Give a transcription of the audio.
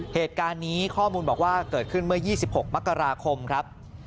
เหตุการณ์นี้ข้อมูลบอกว่าเกิดขึ้นเมื่อ๒๖มกราคมครับ